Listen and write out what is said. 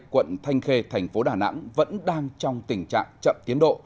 quận thanh khê thành phố đà nẵng vẫn đang trong tình trạng chậm tiến độ